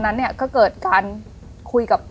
วันนั้นก็เกิดการคุยกับ